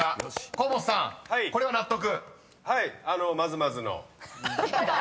河本さんこれは納得？］